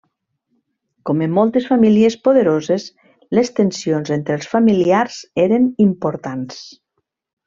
Com en moltes famílies poderoses, les tensions entre els familiars eren importants.